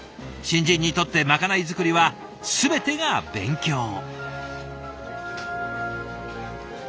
新人にとってまかない作りは全てが勉強。